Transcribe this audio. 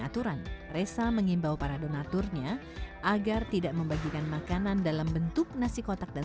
aturan resa mengimbau para donaturnya agar tidak membagikan makanan dalam bentuk nasi kotak dan